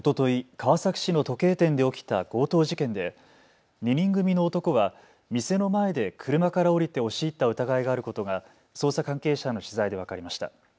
川崎市の時計店で起きた強盗事件で２人組の男は店の前で車から降りて押し入った疑いがあることが捜査関係者への取材で分かりました。